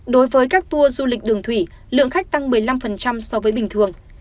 đối với các tour du lịch đường thủy lượng khách tăng một mươi năm so với bình thường